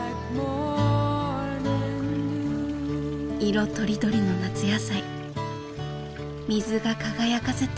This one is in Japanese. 色とりどりの夏野菜水が輝かせている。